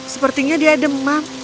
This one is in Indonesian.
sepertinya dia demam